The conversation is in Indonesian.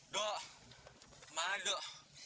dok kemana dok